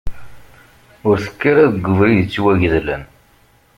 Ur tekk ara deg ubrid yettwagedlen.